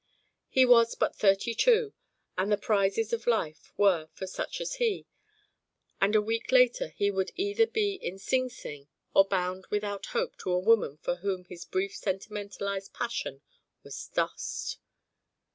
He was but thirty two, and the prizes of life were for such as he, and a week later he would either be in Sing Sing or bound without hope to a woman for whom his brief sentimentalised passion was dust.